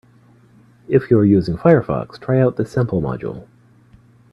If you are using Firefox, try out this sample module.